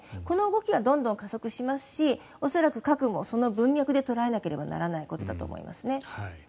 この動きがどんどん加速しますし恐らく核もその文脈で捉えなきゃならないことだと思いますね。